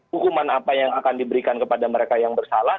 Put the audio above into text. hukuman apa yang akan diberikan kepada mereka yang bersalah